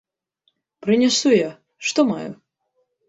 Прынясу я, што маю.